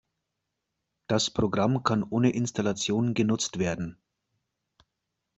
Das Programm kann ohne Installation genutzt werden.